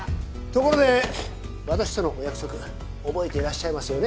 ところで私とのお約束覚えていらっしゃいますよね？